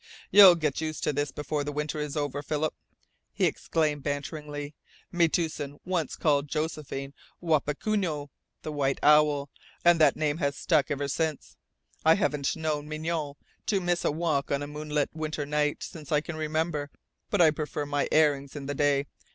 "You'll get used to this before the winter is over, Philip," he exclaimed banteringly. "Metoosin once called Josephine 'Wapikunoo' the White Owl, and the name has stuck ever since. I haven't known Mignonne to miss a walk on a moonlit winter night since I can remember. But I prefer my airings in the day.